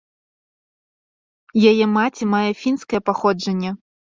Яе маці мае фінскае паходжанне.